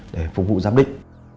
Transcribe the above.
để phục vụ giám định